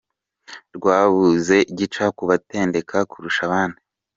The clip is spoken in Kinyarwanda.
Rwabuze gica ku batendeka kurusha abandi